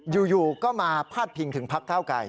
อยู่ก็มาพาดพิงถึงพักเก้าไกร